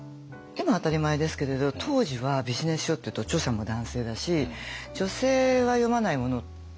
今当たり前ですけれど当時はビジネス書っていうと著者も男性だし女性は読まないものって。